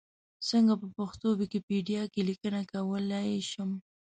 څنګه په پښتو ویکیپېډیا کې لیکنه کولای شم؟